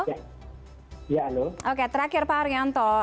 ya halo oke terakhir pak haryanto